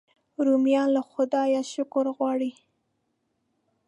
رومیان له خدایه شکر غواړي